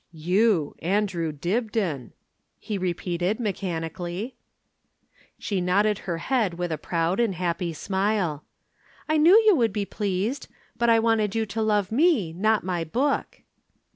"You, Andrew Dibdin!" he repeated mechanically. She nodded her head with a proud and happy smile. "I knew you would be pleased but I wanted you to love me, not my book."